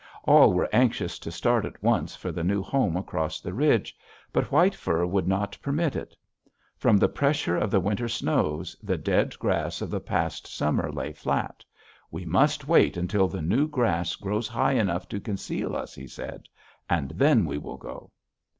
All were anxious to start at once for the new home across the ridge, but White Fur would not permit it. From the pressure of the winter snows the dead grass of the past summer lay flat: 'We must wait until the new grass grows high enough to conceal us,' he said, 'and then we will go.'